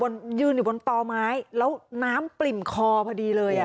ยืนอยู่บนต่อไม้แล้วน้ำปริ่มคอพอดีเลยอ่ะ